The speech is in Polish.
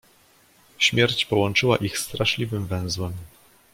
"Śmierć połączyła ich straszliwym węzłem."